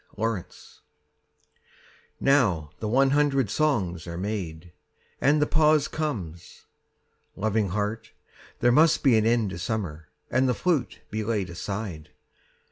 55 EPILOGUE Now the hundred songs are made, And the pause comes. Loving Heart, There must be an end to summer, And the flute be laid aside.